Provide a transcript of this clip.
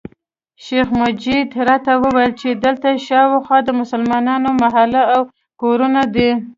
شیخ مجید راته وویل چې دلته شاوخوا د مسلمانانو محله او کورونه دي.